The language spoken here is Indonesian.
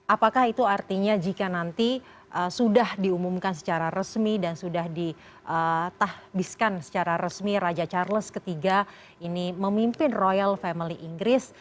apakah itu artinya jika nanti sudah diumumkan secara resmi dan sudah ditahbiskan secara resmi raja charles iii ini memimpin royal family inggris